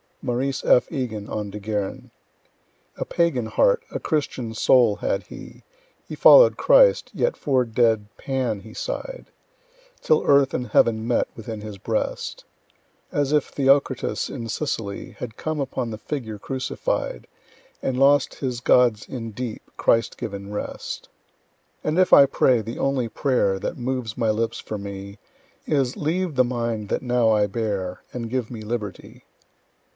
Maurice F. Egan on De Guerin. A pagan heart, a Christian soul had he, He followed Christ, yet for dead Pan he sigh'd, Till earth and heaven met within his breast: As if Theocritus in Sicily Had come upon the Figure crucified, And lost his gods in deep, Christ given rest. And if I pray, the only prayer That moves my lips for me, Is, leave the mind that now I bear, And give me Liberty.